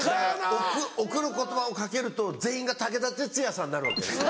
『贈る言葉』をかけると全員が武田鉄矢さんになるわけですよ。